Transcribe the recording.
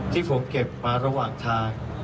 ที่ผมเก็บมาระหว่างทาง